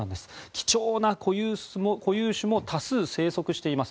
貴重な固有種も多数生息しています。